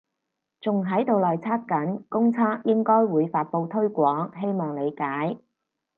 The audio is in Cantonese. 仲喺度內測緊，公測應該會發佈推廣，希望理解